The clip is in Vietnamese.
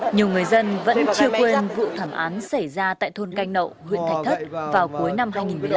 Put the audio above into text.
nhiều người dân vẫn chưa quên vụ thảm án xảy ra tại thôn canh nậu huyện thạch thất vào cuối năm hai nghìn một mươi ba